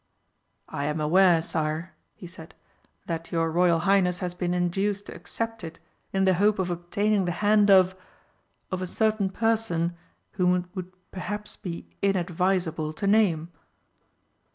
"I am aware, Sire," he said, "that your Royal Highness has been induced to accept it in the hope of obtaining the hand of of a certain person whom it would perhaps be inadvisable to name."